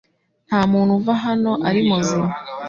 Ntamuntu uva hano ari muzima .